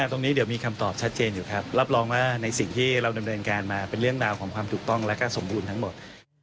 ตรงนี้เดี๋ยวมีคำตอบชัดเจนอยู่ครับรับรองว่าในสิ่งที่เราดำเนินการมาเป็นเรื่องราวของความถูกต้องและก็สมบูรณ์ทั้งหมด